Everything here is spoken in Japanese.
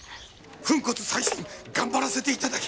粉骨砕身頑張らせていただき。